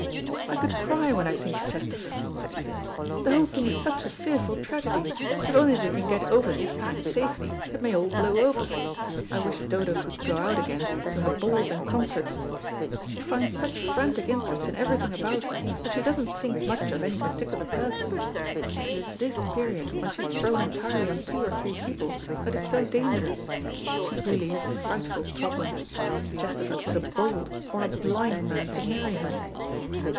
"I could cry when I think of Chesterford," said Edith. "The whole thing is such a fearful tragedy. If only they can get over this time safely, it may all blow over. I wish Dodo could go out again to her balls and concerts. She finds such frantic interest in everything about her, that she doesn't think much of any particular person. But it is this period, when she is thrown entirely on two or three people, that is so dangerous. She really is a frightful problem. Chesterford was a bold or a blind man to marry her.